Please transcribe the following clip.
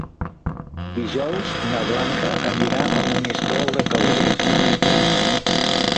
Dijous na Blanca anirà a Monistrol de Calders.